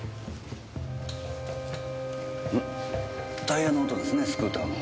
タイヤの跡ですねスクーターの。